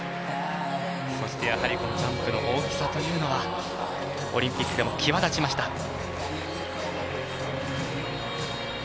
そしてやはりこのジャンプの大きさというのはオリンピックでも際立ちました。